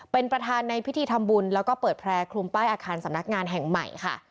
เป็นประธานในพิธีทำบุญแล้วก็เปิดแพร่คลุมป้ายอาคารสำนักงานแห่งใหม่ค่ะ